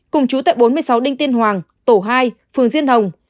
cùng chú tại bốn mươi sáu đinh tiên hoàng tổ hai phường diên hồng